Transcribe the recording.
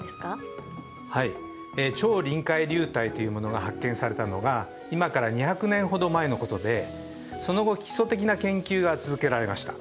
はい超臨界流体というものが発見されたのが今から２００年ほど前のことでその後基礎的な研究が続けられました。